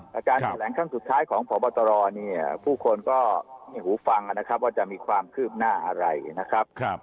แต่การแถลงครั้งสุดท้ายของพบตรเนี่ยผู้คนก็หูฟังนะครับว่าจะมีความคืบหน้าอะไรนะครับ